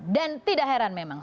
dan tidak heran memang